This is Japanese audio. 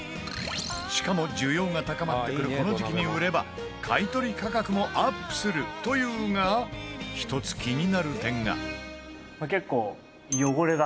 しかも、需要が高まってくるこの時期に売れば買取価格もアップするというが１つ、気になる点が「結構、汚れが」